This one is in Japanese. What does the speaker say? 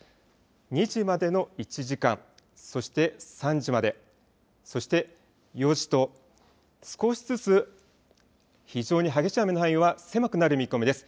２時までの１時間、そして３時まで、そして４時と、少しずつ非常に激しい雨の範囲は狭くなる見込みです。